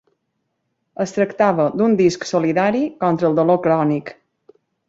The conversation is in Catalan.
Es tractava d'un disc solidari contra el dolor crònic.